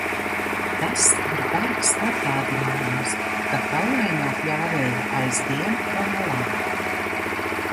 Tas ir bargs atgādinājums, ka kaulainā pļāvēja aizvien vālā.